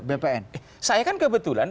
bpn saya kan kebetulan